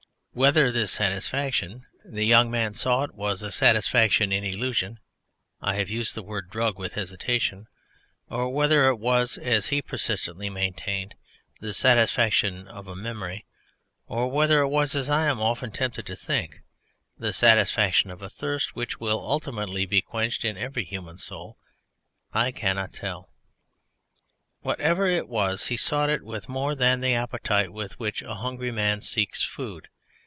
Whether this satisfaction the young man sought was a satisfaction in illusion (I have used the word "drug" with hesitation), or whether it was, as he persistently maintained, the satisfaction of a memory, or whether it was, as I am often tempted to think, the satisfaction of a thirst which will ultimately be quenched in every human soul I cannot tell. Whatever it was, he sought it with more than the appetite with which a hungry man seeks food.